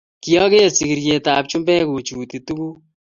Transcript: Kyageer sigiryetab chumbek kochuti tuguk